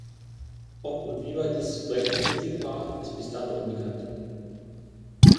Ob und wie weit dieses Projekt entwickelt war, ist bis dato unbekannt.